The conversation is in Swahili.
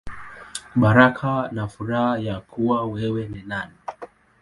Baraka na Furaha Ya Kuwa Wewe Ni Nani.